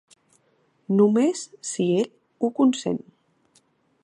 Només si ell ho consent.